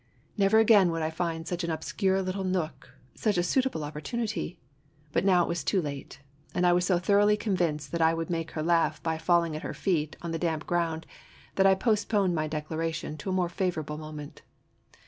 Never again would I find such an obscure little nook, such a suitable opportunity ! But now it was too late; and I was so thoroughly convinced that I would make her laugh by falling at her feet on the damp ground that I postponed my declaration to a more favorable moment.